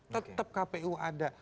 tetap kpu ada